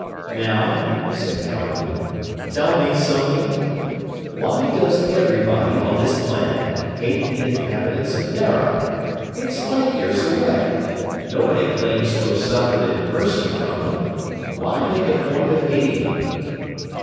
"Now," said Calhoun, "tell me something? Why does everybody on this planet hate the inhabitants of Dara? It's light years away. Nobody claims to have suffered in person from them. Why make a point of hating them?"